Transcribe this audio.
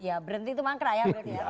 ya berhenti itu mangkrak ya